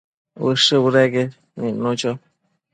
Ushë budeque nidnu cho